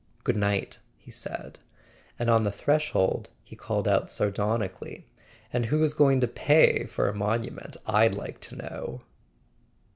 Good night," he said. And on the threshold he called out sardonically: "And who's going to pay for a monument, I'd like to know?"